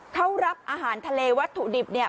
เขารับอาหารทะเลวัตถุดิบเนี่ย